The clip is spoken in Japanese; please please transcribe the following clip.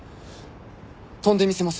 跳んでみせます。